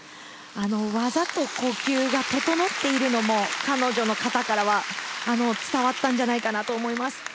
技と呼吸が整っているのも彼女の形からは伝わったんじゃないかなと思います。